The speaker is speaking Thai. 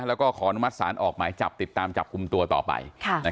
แล้วก็ขออนุมัติศาลออกหมายจับติดตามจับกลุ่มตัวต่อไป